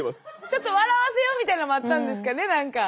ちょっと笑わせようみたいなのもあったんですかね何か。